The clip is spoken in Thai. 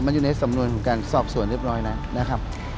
มันอยู่ในสำนวนของการสอบสวนเรียบร้อยแล้วนะครับ